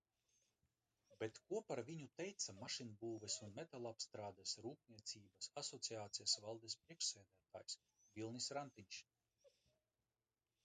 Bet ko par viņu teica Mašīnbūves un metālapstrādes rūpniecības asociācijas valdes priekšsēdētājs Vilnis Rantiņš?